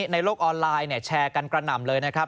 ในโลกออนไลน์แชร์กันกระหน่ำเลยนะครับ